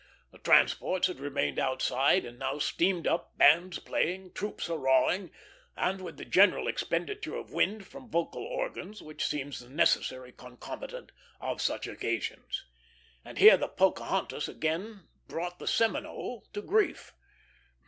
The transports had remained outside, and now steamed up; bands playing, troops hurrahing, and with the general expenditure of wind from vocal organs which seems the necessary concomitant of such occasions. And here the Pocahontas again brought the Seminole to grief.